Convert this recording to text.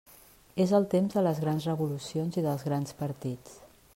És el temps de les grans revolucions i dels grans partits.